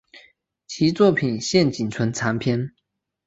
其作品现仅存残篇。